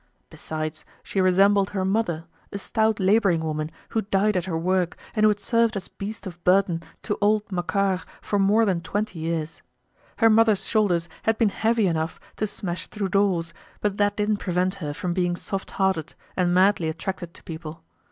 Besides, she resembled her mother, a stout laboring woman who died at her work and who had served as beast of burden to old Macquart for more than twenty years. Her mother's shoulders had been heavy enough to smash through doors, but that didn't prevent her from being soft hearted and madly attracted to people.